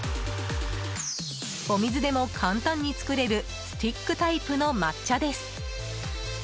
お水でも簡単に作れるスティックタイプの抹茶です。